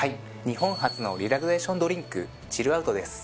日本初のリラクセーションドリンク「ＣＨＩＬＬＯＵＴ」です。